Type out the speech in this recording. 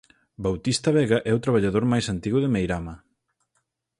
Bautista Vega é o traballador máis antigo de Meirama.